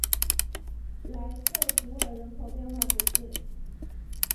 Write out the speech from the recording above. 莱克图尔人口变化图示